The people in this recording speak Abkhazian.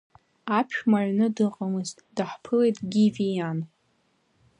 Аԥшәма аҩны дыҟамызт, даҳԥылеит Гиви иан.